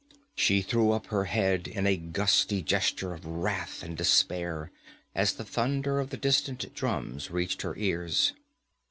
She threw up her head in a gusty gesture of wrath and despair as the thunder of the distant drums reached her ears.